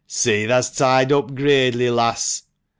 171 "See thah's tied up gradely, lass